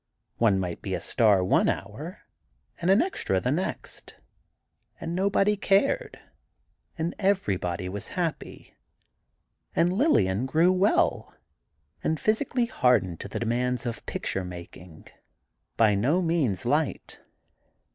One might be a star one hour, and an extra the next, and nobody cared, and everybody was happy, and Lillian grew well, and physically hardened to the demands of picture making—by no means light.